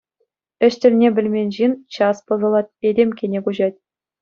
Ĕç тӗлне пӗлмен ҫын час пӑсӑлать, этемккене куҫать.